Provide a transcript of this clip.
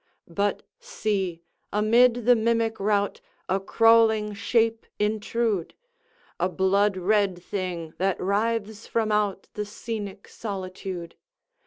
But see, amid the mimic rout, A crawling shape intrude! A blood red thing that writhes from out The scenic solitude!